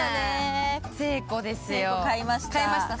西湖ですよ買いました？